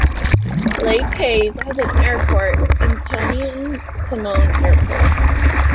Les Cayes has an airport, Antoine-Simon Airport.